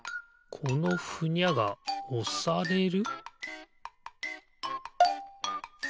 このふにゃがおされる？